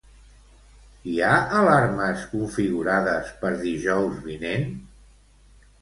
Hi ha alarmes configurades per dijous vinent?